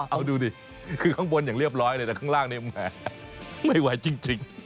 เอาดูดิคือข้างบนอย่างเรียบร้อยเลยแต่ข้างล่างเนี่ยแหมไม่ไหวจริง